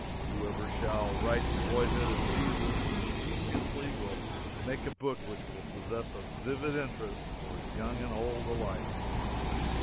Whoever shall write the boyhood of Jesus ingeniously will make a book which will possess a vivid interest for young and old alike.